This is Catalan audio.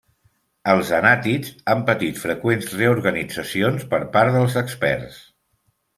Els anàtids han patit freqüents reorganitzacions per part dels experts.